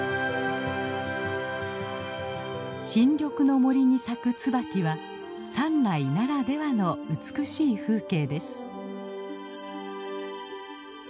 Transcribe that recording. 新緑の森に咲くツバキは山内ならではの美しい風景です。